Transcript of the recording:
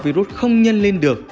virus không nhân lên được